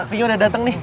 taksinya udah dateng nih